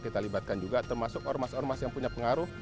kita libatkan juga termasuk ormas ormas yang punya pengaruh